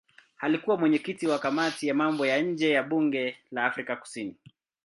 Alikuwa mwenyekiti wa kamati ya mambo ya nje ya bunge la Afrika Kusini.